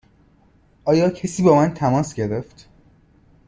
آیا کسی با من تماس گرفت؟